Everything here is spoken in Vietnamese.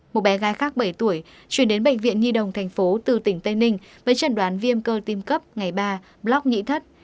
một bé gái khác bảy tuổi chuyển đến bệnh viện nhi đồng thành phố từ tỉnh tây ninh với chẩn đoán viêm cơ tim cấp ngày ba block nhĩ thất